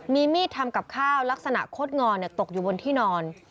มีมีดทำกับข้าวลักษณะคดงอนตกอยู่บนที่นอน